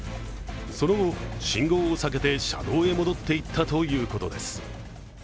その後、信号を避けて車道へ戻っていったということです。